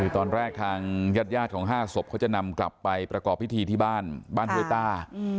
ตอนแรกทางญาติของ๕ศพเขาจะนำกลับไปประกอบพิธีที่บ้านบ้านห้วยต้า